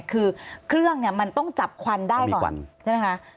คือเครื่องเนี่ยมันต้องจับควันได้ก่อนใช่ไหมคะ